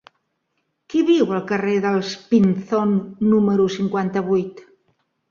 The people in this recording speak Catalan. Qui viu al carrer dels Pinzón número cinquanta-vuit?